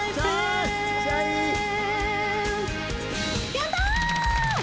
やった！